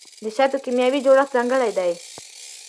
د شاتو کیمیاوي جوړښت ځانګړی دی.